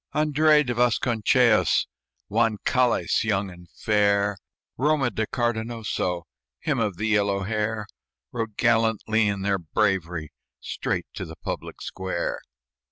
Andres de Vasconcellos, Juan Cales, young and fair, Roma de Cardenoso, Him of the yellow hair Rode gallant in their bravery, Straight to the public square.